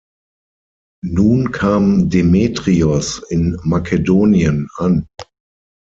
Nun kam Demetrios in Makedonien an.